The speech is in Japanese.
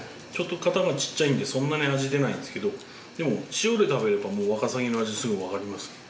ちょっと形がちっちゃいんでそんなに味出ないんですけどでも塩で食べればもうワカサギの味すぐわかります。